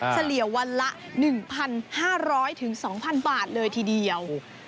เฉลี่ยวันละ๑๕๐๐๒๐๐บาทเลยทีเดียว